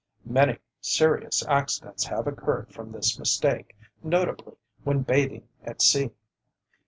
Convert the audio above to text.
Many serious accidents have occurred from this mistake, notably when bathing at sea.